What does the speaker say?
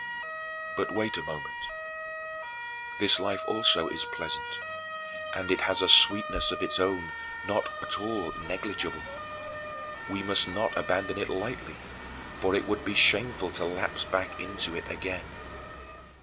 "But wait a moment. This life also is pleasant, and it has a sweetness of its own, not at all negligible. We must not abandon it lightly, for it would be shameful to lapse back into it again.